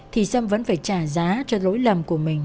thì sâm vẫn phải trả giá cho lỗi lầm của mình